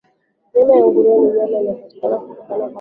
Nyama ya nguruwe ni nyama inayopatikana kutoka kwa nguruwe.